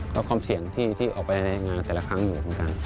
ก็ความเสี่ยงที่ออกไปในงานแต่ละครั้งอยู่เหมือนกัน